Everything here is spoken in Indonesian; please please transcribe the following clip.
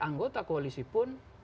anggota koalisi pun